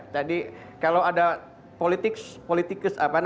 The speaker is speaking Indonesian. jadi kalau ada politikus politikus apa namanya